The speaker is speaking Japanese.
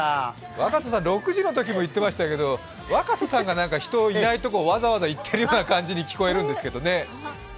若狭さん６時のときも言ってましたけど、若狭さんが人いないところにわざわざ行ってるようにきこえるんですけどね？